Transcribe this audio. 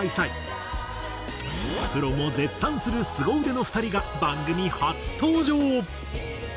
プロも絶賛するスゴ腕の２人が番組初登場！